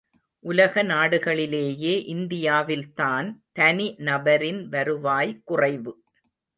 உலக நாடுகளிலேயே இந்தியாவில் தான் தனி நபரின் வருவாய் குறைவு.